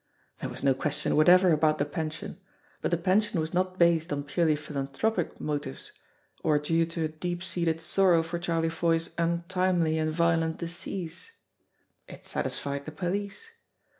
There was no question whatever about the pen sion ; but the pension was not based on purely philanthropic motives, or due to a deep seated sorrow for Charlie Foy's untimely and violent decease. It satisfied the police.